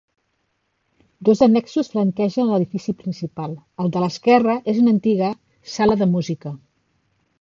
Dos annexos flanquegen l'edifici principal; el de l'esquerra és una antiga sala de música.